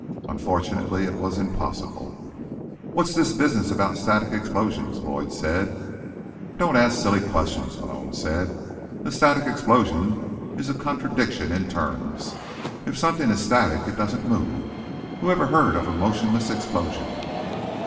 Unfortunately, it was impossible. "What's this business about a static explosion?" Boyd said. "Don't ask silly questions," Malone said. "A static explosion is a contradiction in terms. If something is static, it doesn't move— whoever heard of a motionless explosion?"